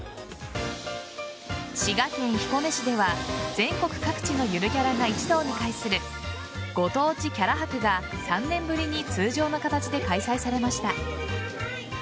滋賀県彦根市では全国各地のゆるキャラが一堂に会するご当地キャラ博が３年ぶりに通常の形で開催されました。